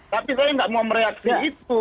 tapi saya nggak mau mereaksi itu